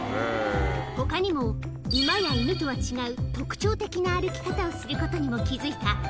ほかにも、馬や犬とは違う特徴的な歩き方をすることにも気付いた。